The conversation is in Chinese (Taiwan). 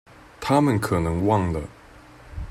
她們可能忘了